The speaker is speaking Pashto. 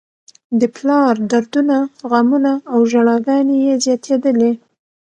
د پلار دردونه، غمونه او ژړاګانې یې زياتېدلې.